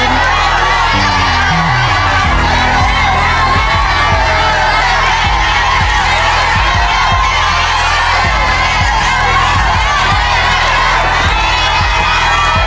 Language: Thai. ระวังมือด้วยนะมีสมมาก